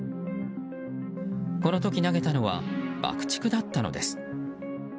この時、投げたのは爆竹だったのです。